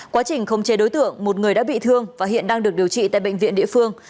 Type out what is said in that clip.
quá trình không chê đối tượng một người đã bị thương và hiện đang được điều trị tại bệnh viện địa phương